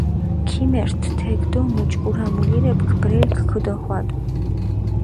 ქიმერთჷ თექ დო მუჯგურა მულირეფქ ბრელქ ქჷდოხვადუ.